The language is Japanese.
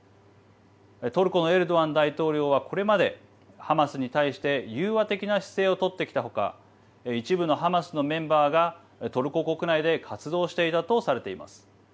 トルコのエルドアン大統領はこれまでハマスに対して融和的な姿勢を取ってきたほか一部のハマスのメンバーがトルコ国内で活動していたとされています。